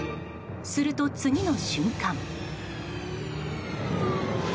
すると、次の瞬間。